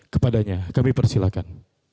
kepadanya kami persilahkan